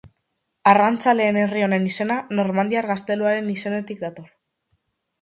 Arrantzaleen herri honen izena normandiar gazteluaren izenetik dator.